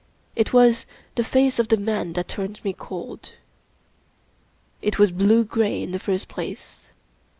It was the face of the man that turned me colA It was blue gray in the first place.